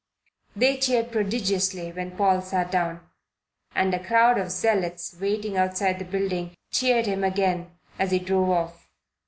They cheered prodigiously when Paul sat down, and a crowd of zealots waiting outside the building cheered him again as he drove off.